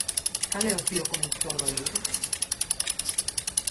Cal é o fío condutor do libro?